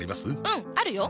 うんあるよ！